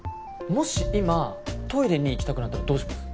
もし今トイレに行きたくなったらどうします？